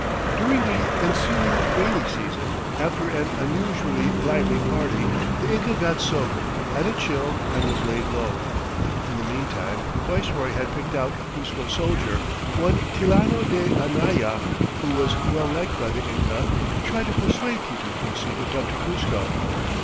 During the ensuing rainy season, after an unusually lively party, the Inca got soaked, had a chill, and was laid low. In the meantime the viceroy had picked out a Cuzco soldier, one Tilano de Anaya, who was well liked by the Inca, to try to persuade Titu Cusi to come to Cuzco.